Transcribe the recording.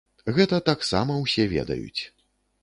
Гэта таксама ўсе ведаюць.